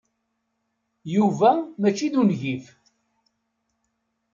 Yuba mačči d ungif.